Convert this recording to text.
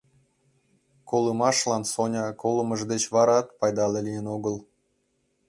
Колымашлан Соня колымыж деч варат пайдале лийын огыл.